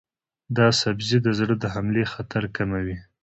دا سبزی د زړه د حملې خطر کموي.